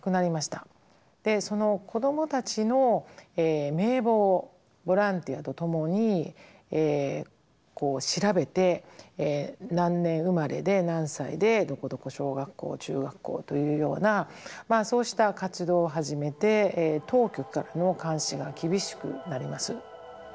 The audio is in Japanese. その子どもたちの名簿をボランティアと共に調べて何年生まれで何歳でどこどこ小学校中学校というようなそうした活動を始めて当局からの監視が厳しくなります。